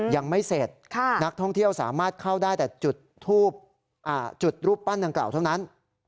ยังไม่เสร็จนักท่องเที่ยวสามารถเข้าได้แต่จุดรูปปั้นดังกล่าวเท่านั้น